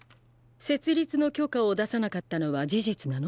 設立の許可を出さなかったのは事実なの？